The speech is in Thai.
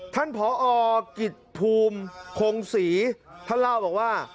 ท่านผอกิจภูมิคงศรีท่านเล่าบอกว่า